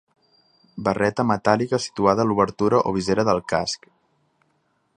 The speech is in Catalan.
Barreta metàl·lica situada a l'obertura o visera del casc.